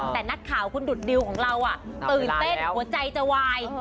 แต่นักข่าวคุณดุดดิวของเราตื่นเต้นหัวใจจะวาย